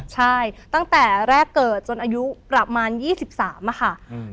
ใช่ตั้งแต่แรกเกิดจนอายุประมาณยี่สิบสามอ่ะค่ะอืม